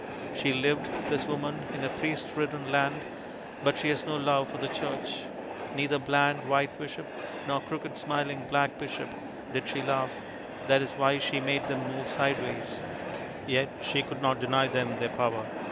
She lived, this woman, in a priest ridden land, but she had no love for the Church. Neither bland white bishop nor crooked smiling black bishop did she love; that is why she made them move sideways. Yet she could not deny them their power.